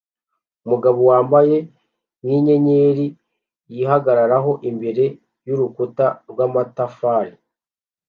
Umugabo wambaye nkinyenyeri yihagararaho imbere yurukuta rwamatafari